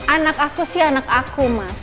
anak aku sih anak aku mas